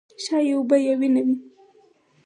ښايي اوبه یا وینه وي.